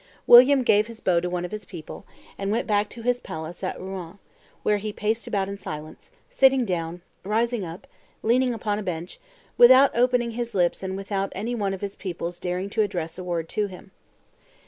William gave his bow to one of his people, and went back to his palace at Rouen, where he paced about in silence, sitting down, rising up, leaning upon a bench, without opening his lips and without any one of his people's daring to address a word to him.